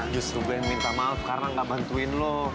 justru gue yang minta maaf karena gak bantuin lo